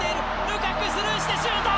ルカクスルーしてシュート！